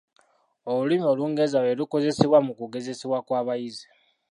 Olulimi Olungereza lwerukozesebwa mu kugezesebwa kw'abayizi.